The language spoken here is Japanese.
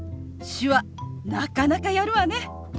手話なかなかやるわね。